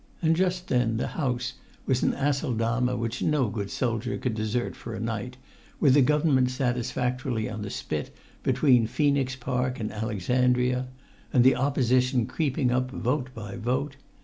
And just then the House was an Aceldama which no good soldier could desert for a night, with the Government satisfactorily on the spit between Phœnix Park and Alexandria, and the Opposition creeping up vote by vote.